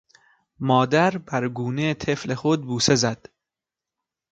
مادر بر گونهٔ طفل خود بوسه زد.